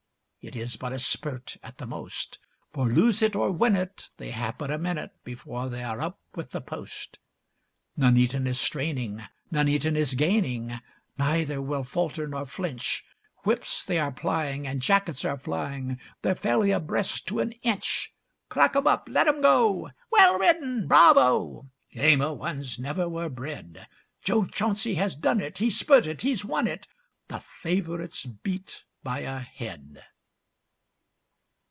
It is but a spurt at the most; For lose it or win it, they have but a minute Before they are up with the post. Nuneaton is straining, Nuneaton is gaining, Neither will falter nor flinch; Whips they are plying and jackets are flying, They're fairly abreast to an inch. 'Crack 'em up! Let 'em go! Well ridden! Bravo!' Gamer ones never were bred; Jo Chauncy has done it! He's spurted! He's won it!' The favourite's beat by a head!